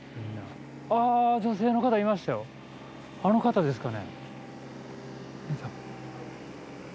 あの方ですかね。